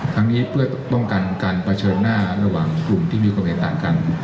ทั้งนี้เพื่อป้องกันการเผชิญหน้าระหว่างกลุ่มที่มีความเห็นต่างกัน